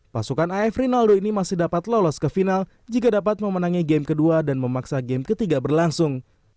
pasukan af rinaldo ini masih dapat lolos ke final jika dapat memenangi game kedua dan memaksa game ketiga berlangsung